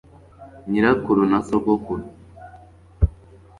nyirakuru na sogokuru